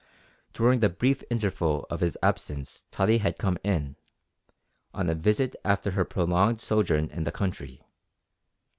During the brief interval of his absence Tottie had come in on a visit after her prolonged sojourn in the country.